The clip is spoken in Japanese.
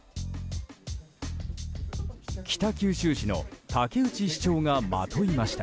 北九州市の武内市長がまといました。